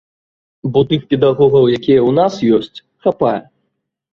Бо тых педагогаў, якія ў нас ёсць, хапае.